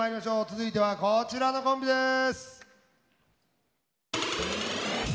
続いてはこちらのコンビです。